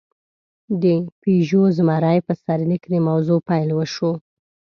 د «پيژو زمری» په سرلیک د موضوع پېل وشو.